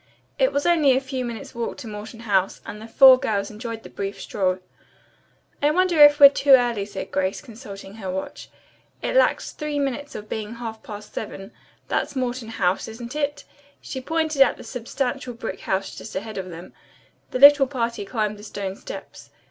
It was only a few minutes' walk to Morton House and the four girls enjoyed the brief stroll. "I wonder if we're too early," said Grace, consulting her watch. "It lacks three minutes of being half past seven. That's Morton House, isn't it?" pointing at the substantial brick house just ahead of them. The little party climbed the stone steps.